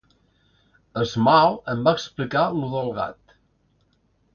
Small em va explicar lo del gat.